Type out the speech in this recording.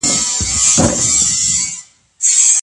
په لاس خط لیکل د ټولني پر افکارو اغیز کولای سي.